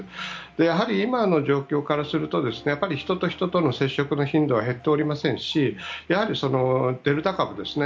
やはり今の状況からすると人と人との接触の頻度は減っておりませんしやはりデルタ株ですね。